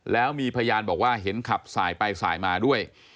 แล้วมีพยานบอกว่าเห็นขับสายไปสายมาด้วย